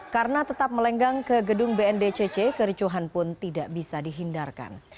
karena tetap melenggang ke gedung bndcc kericuhan pun tidak bisa dihindarkan